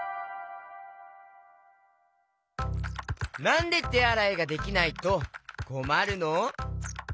なんでてあらいができないとこまるの？